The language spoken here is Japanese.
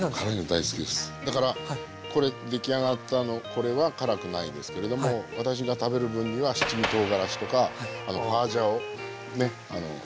だからこれ出来上がったこれは辛くないですけれども私が食べる分には七味とうがらしとかホワジャオね